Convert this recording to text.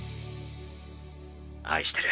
愛してる。